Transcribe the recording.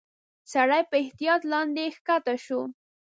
سړی په احتياط لاندي کښته شو.